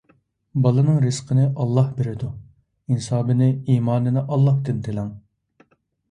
بالىنىڭ رىزقىنى ئاللاھ بېرىدۇ. ئىنسابىنى، ئىمانىنى ئاللاھتىن تىلەڭ.